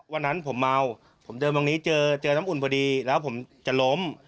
วันนั้นผมเมาผมเดินตรงนี้เจอเจอน้ำอุ่นพอดีแล้วผมจะล้ม